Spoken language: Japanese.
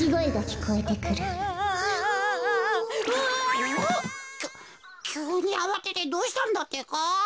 きゅうにあわててどうしたんだってか？